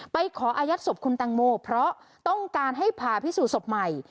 ขออายัดศพคุณแตงโมเพราะต้องการให้ผ่าพิสูจน์ศพใหม่